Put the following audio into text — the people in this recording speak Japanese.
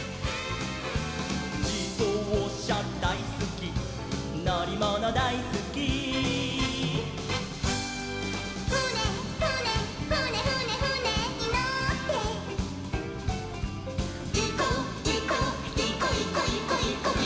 「じどうしゃだいすきのりものだいすき」「ふねふねふねふねふねにのって」「いこいこいこいこいこいこみなみのしままで」